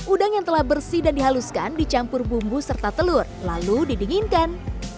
udang yang telah bersih dan dihaluskan dicampur bumbu serta telur lalu didinginkan